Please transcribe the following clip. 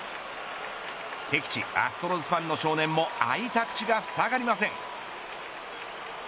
敵地、アストロズファンの少年も開いた口がふさがりません。